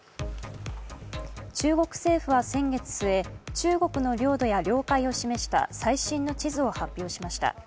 中国政府は先月末、中国の領土や領海を示した最新の地図を発表しました。